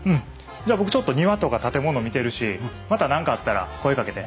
じゃあ僕ちょっと庭とか建物見てるしまた何かあったら声かけて。